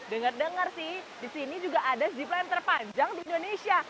dengar dengar sih disini juga ada zipline terpanjang di indonesia